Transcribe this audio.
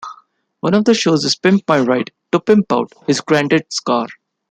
One of the shows is "Pimp My Ride", to 'pimp out' his Granddad's car.